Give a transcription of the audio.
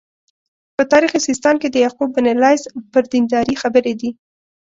په تاریخ سیستان کې د یعقوب بن لیث پر دینداري خبرې دي.